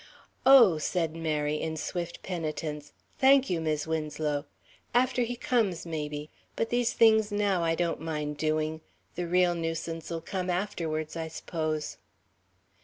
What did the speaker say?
"Oh," said Mary, in swift penitence, "thank you, Mis' Winslow. After he comes, maybe. But these things now I don't mind doing. The real nuisance'll come afterwards, I s'pose."